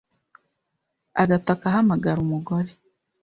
Agataka ahamagara umugore,